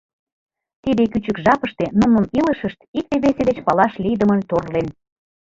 Тиде кӱчык жапыште нунын илышышт икте-весе деч палаш лийдымын торлен